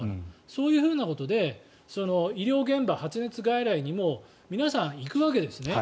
そういうことで医療現場、発熱外来にもみなさん、行くわけですよね。